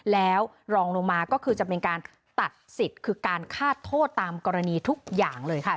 แล้วรองลงมาก็คือจะเป็นการตัดสิทธิ์คือการฆาตโทษตามกรณีทุกอย่างเลยค่ะ